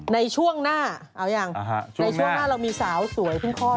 ในช่วงหน้าเอาอย่างในช่วงหน้าเรามีสาวสวยขึ้นคลอดลูก